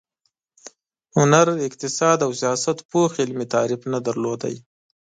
هنر، اقتصاد او سیاست پوخ علمي تعریف نه درلود.